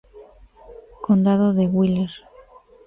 Condado de Wheeler